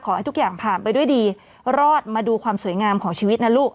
ขอให้ทุกอย่างผ่านไปด้วยดีรอดมาดูความสวยงามของชีวิตนะลูก